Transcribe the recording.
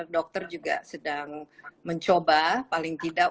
dokter juga sedang mencoba paling tidak